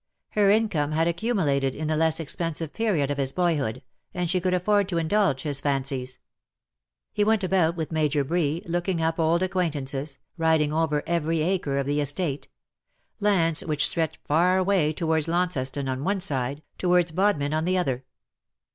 Her income had accumulated in the less expensive period of his boy hood, and she could afford to indulge his fancies. He went about with Major Bree, looking up old acquaintances, riding over every acre of the estate — lands which stretched far away towards Launceston on one side, towards Bodmin on the other.